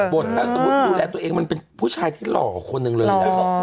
ถ้าสมมุติดูแลตัวเองมันเป็นผู้ชายที่หล่อคนหนึ่งเลย